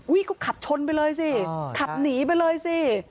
ก็ขับชนไปเลยสิขับหนีไปเลยสิ